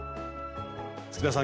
月田さん